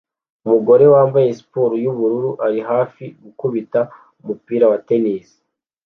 Umugore wambaye siporo yubururu ari hafi gukubita umupira wa tennis